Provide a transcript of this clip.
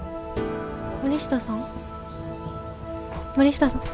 森下さん？